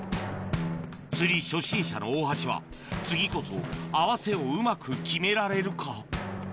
釣り初心者の大橋は次こそ合わせをうまく決められるか？